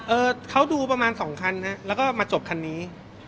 เขาดูประมาณสองคันฮะแล้วก็มาจบคันนี้